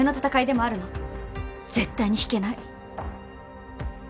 絶対に引けない。